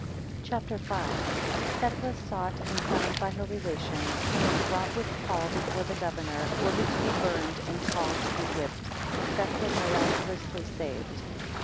CHAPTER V. 1 Thecla sought and found by her relations. 4 Brought with Paul before the governor. 9 Ordered to be burnt, and Paul to be whipt. 15 Thecla miraculously saved.